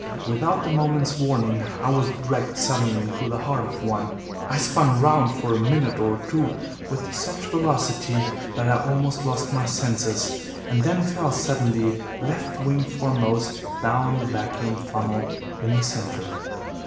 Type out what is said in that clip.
Without a moment's warning I was dragged suddenly into the heart of one. I spun round for a minute or two with such velocity that I almost lost my senses, and then fell suddenly, left wing foremost, down the vacuum funnel in the centre.